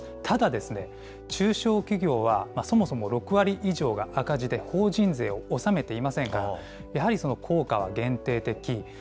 ただですね、中小企業はそもそも６割以上が赤字で、法人税を納めていませんから、やはりその効果は限定的。